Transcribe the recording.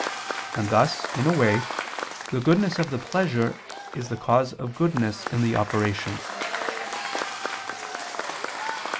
And thus, in a way, the goodness of the pleasure is the cause of goodness in the operation.